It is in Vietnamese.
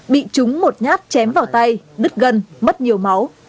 bị trúng một nhát chém vào tay đứt gân mất nhiều máu